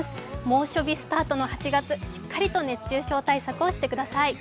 猛暑日スタートの８月、しっかりと熱中症対策をしてください。